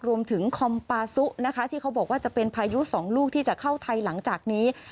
คอมปาซุนะคะที่เขาบอกว่าจะเป็นพายุสองลูกที่จะเข้าไทยหลังจากนี้